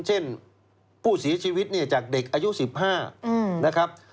เช่นผู้เสียชีวิตเนี่ยจากเด็กอายุ๑๕นะครับ